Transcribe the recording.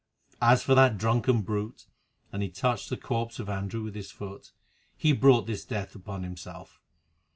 As for that drunken brute," and he touched the corpse of Andrew with his foot, "he brought his death upon himself.